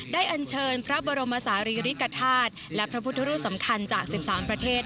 อันเชิญพระบรมศาลีริกฐาตุและพระพุทธรูปสำคัญจาก๑๓ประเทศ